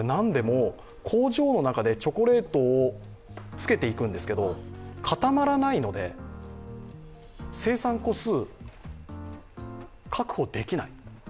工場の中でチョコレートをつけていくんですけれども、固まらないので、生産個数を確保できない。